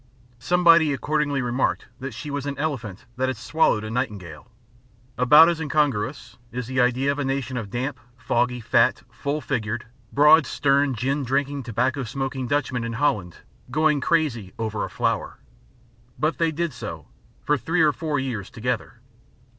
Somebody accordingly remarked that she was an elephant that had swallowed a nightingale. About as incongruous is the idea of a nation of damp, foggy, fat, full figured, broad sterned, gin drinking, tobacco smoking Dutchmen in Holland, going crazy over a flower. But they did so, for three or four years together.